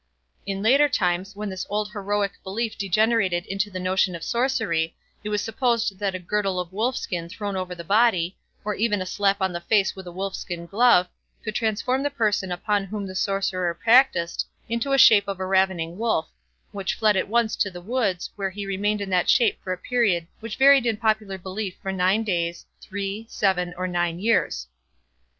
In later times, when this old heroic belief degenerated into the notion of sorcery, it was supposed that a girdle of wolfskin thrown over the body, or even a slap on the face with a wolfskin glove, would transform the person upon whom the sorcerer practised into the shape of a ravening wolf, which fled at once to the woods, where he remained in that shape for a period which varied in popular belief for nine days, three, seven, or nine years.